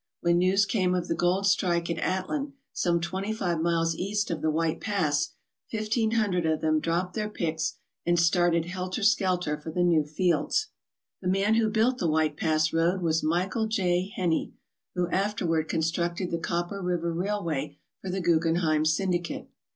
When news came of the gold strike at Atlin, some twenty five miles east of the White Pass', fifteen hundred of them dropped their picks and started helter skelter for the new fields. The man who built the White Pass road was Michael J. Heney, who afterward constructed the Copper River railway for the Guggenheim syndicate.